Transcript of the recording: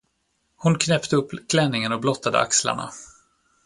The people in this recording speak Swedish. Hon knäppte upp klänningen och blottade axlarna.